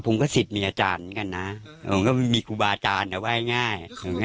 ผมก็สิทธิ์มีอาจารย์เหมือนกันนะผมก็มีครูบาอาจารย์แต่ว่าง่าย